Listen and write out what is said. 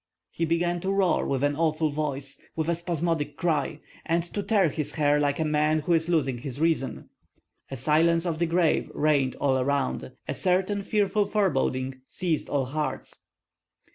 He began to roar with an awful voice, with a spasmodic cry, and to tear his hair like a man who is losing his reason. A silence of the grave reigned all around. A certain fearful foreboding seized all hearts.